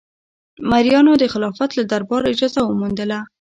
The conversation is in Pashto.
مریانو د خلافت له دربار اجازه وموندله.